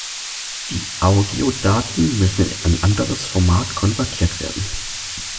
Die Audiodaten müssen in ein anderes Format konvertiert werden.